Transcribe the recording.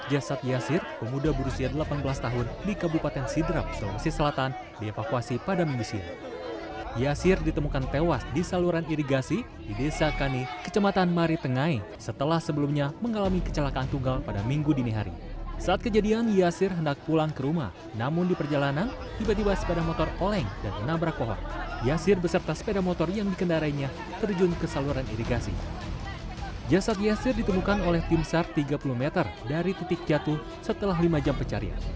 jasad yasir ditemukan oleh tim sar tiga puluh meter dari titik jatuh setelah lima jam pencarian